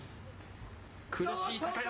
苦しい高安。